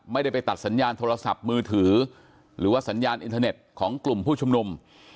ไม่ได้ไปตัดสัญญาณโทรศัพท์มือถือหรือว่าสัญญาณอินเทอร์เน็ตของกลุ่มผู้ชุมนุม